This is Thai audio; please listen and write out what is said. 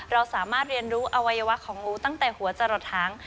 เราสามารถเรียนรู้อวัยวะของงูตั้งแต่หัวจะหลดหาง